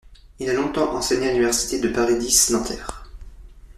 Il a longtemps enseigné à l'Université de Paris X-Nanterre.